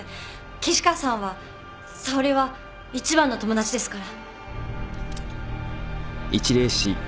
岸川さんは沙織は一番の友達ですから。